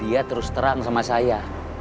dia terus terang sama saya